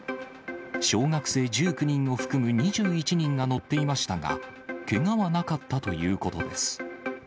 小学生１９人を含む２１人が乗っていましたが、けがはなかったということです。